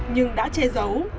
nhưng đã che giấu